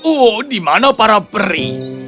oh di mana para peri